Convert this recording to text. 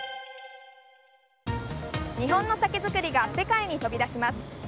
日本の酒造りが世界に飛び出します。